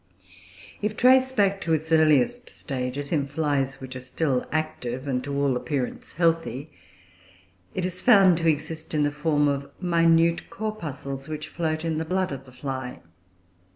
If traced back to its earliest stages, in flies which are still active, and to all appearance healthy, it is found to exist in the form of minute corpuscles which float in the blood of the fly.